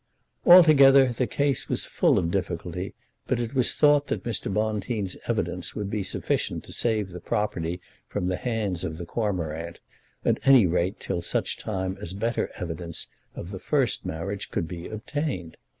Altogether the case was full of difficulty, but it was thought that Mr. Bonteen's evidence would be sufficient to save the property from the hands of the cormorant, at any rate till such time as better evidence of the first marriage could be obtained.